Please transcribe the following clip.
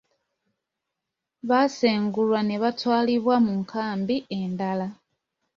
Baasengulwa ne batwalibwa mu nkambi endala.